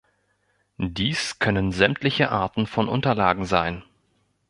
Dies können sämtliche Arten von Unterlagen sein.